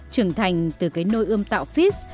trưởng thành từ cái nôi ươm tạo fizz